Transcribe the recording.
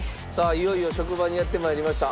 いよいよ職場にやって参りました。